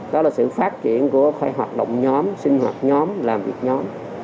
đó là sự phát triển của hoạt động nhóm sinh hoạt nhóm làm việc nhóm